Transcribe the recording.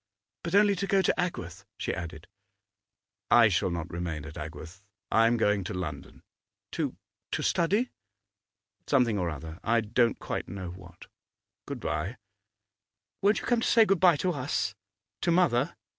'But only to go to Agworth?' she added. 'I shall not remain at Agworth. I am going to London.' 'To to study?' 'Something or other, I don't quite know what. Good bye!' 'Won't you come to say good bye to us to mother?